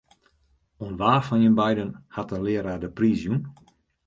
Oan wa fan jim beiden hat de learaar de priis jûn?